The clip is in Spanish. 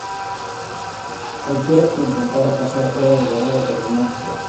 Cualquiera que intentara pasar era devorado por el monstruo.